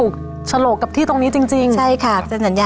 ครับค่ะ